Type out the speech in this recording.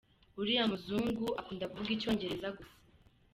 Uriya muzungu akunda kuvuga icyongereza gusa.